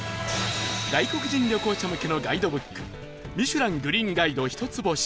外国人旅行者向けのガイドブック『ミシュラン・グリーンガイド』一つ星